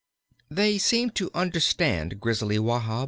'"] They seemed to understand Grizzly Wahb.